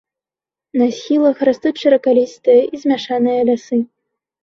На схілах растуць шыракалістыя і змяшаныя лясы.